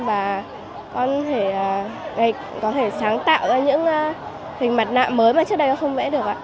và con có thể sáng tạo ra những hình mặt nạ mới mà trước đây con không vẽ được ạ